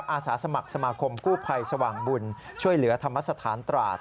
อาสาสมัครสมาคมกู้ภัยสว่างบุญช่วยเหลือธรรมสถานตราด